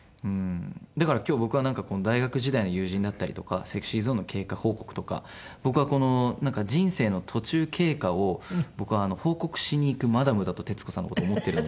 だから今日僕は大学時代の友人だったりとかＳｅｘｙＺｏｎｅの経過報告とかこの人生の途中経過を報告しに行くマダムだと徹子さんの事を思ってるので。